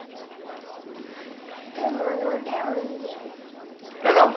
でも飲んでもいいで。